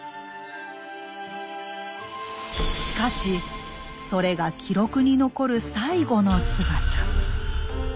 しかしそれが記録に残る最後の姿。